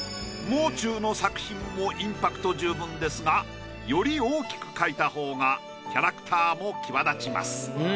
もう中の作品もインパクト十分ですがより大きく描いたほうがキャラクターも際立ちます。